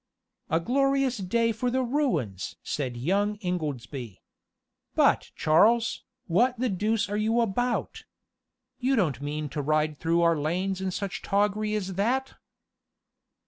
"A glorious day for the ruins!" said young Ingoldsby. "But Charles, what the deuce are you about? you don't mean to ride through our lanes in such toggery as that?"